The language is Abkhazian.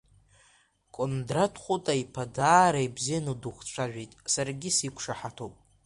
Кондрат Хәыта-иԥа даара ибзианы духцәажәеит, саргьы сиқәшаҳаҭуп.